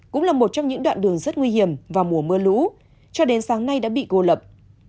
cũng là một trong những đoạn đường rất nguy hiểm vào mùa mưa lũ cho đến sáng nay đã bị cô lập